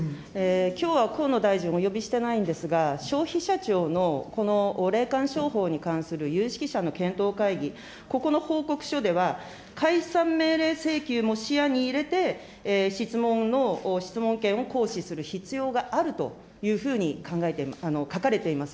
きょうは河野大臣、お呼びしてないんですが、消費者庁のこの霊感商法に関する有識者の検討会議、ここの報告書では、解散命令請求も視野に入れて、質問を、質問権を行使する必要があるというふうに書かれています。